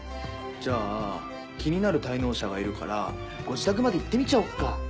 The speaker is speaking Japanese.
じゃあ気になる滞納者がいるからご自宅まで行ってみちゃおっか。